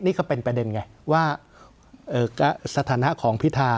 นี่ก็เป็นประเด็นไงว่าสถานะของพิธา